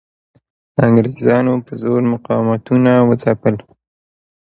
انګریزانو په زور مقاومتونه وځپل.